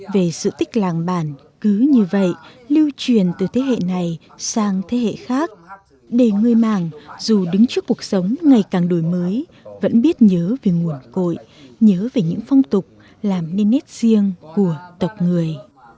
về sự tích làng bản cứ như vậy lưu truyền từ thế hệ này sang thế hệ khác để người mạng dù đứng trước cuộc sống ngày càng đổi mới vẫn biết nhớ về nguồn cội nhớ về những phong tục làm nên nét riêng của tộc người